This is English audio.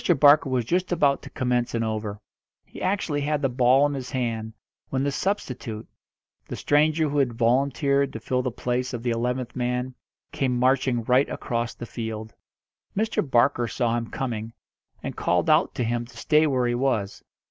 Barker was just about to commence an over. He actually had the ball in his hand, when the substitute the stranger who had volunteered to fill the place of the eleventh man came marching right across the field. Mr. Barker saw him coming, and called out to him to stay where he was.